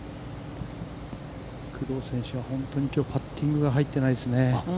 工藤選手は、本当に、きょう、パッティングが入ってないですね。